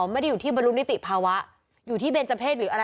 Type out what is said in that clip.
ไม่ได้อยู่ที่บรรลุนิติภาวะอยู่ที่เบนเจอร์เพศหรืออะไร